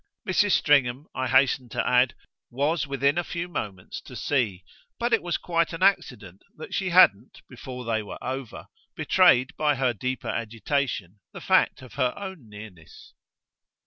Mrs. Stringham, I hasten to add, was within a few moments to see; but it was quite an accident that she hadn't, before they were over, betrayed by her deeper agitation the fact of her own nearness.